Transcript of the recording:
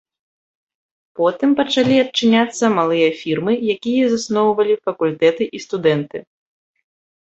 Потым пачалі адчыняцца малыя фірмы, якія засноўвалі факультэты і студэнты.